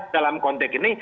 dalam konteks ini